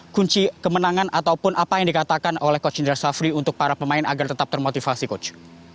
kunci kemenangan ataupun apa yang dikatakan oleh coach indra safri untuk para pemain agar tetap termotivasi coach